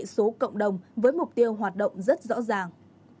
công nghệ số cộng đồng với mục tiêu hoạt động rất rõ ràng